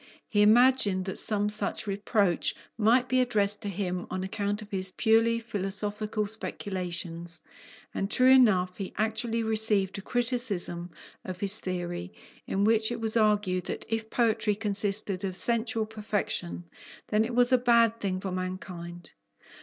He imagined that some such reproach might be addressed to him on account of his purely philosophical speculations, and true enough he actually received a criticism of his theory, in which it was argued, that if poetry consisted of sensual perfection, then it was a bad thing for mankind.